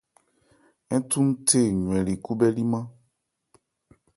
Nthunthe ywɛnli khúbhɛ́límán.